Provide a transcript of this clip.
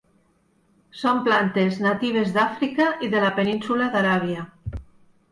Són plantes natives d'Àfrica i de la Península d'Aràbia.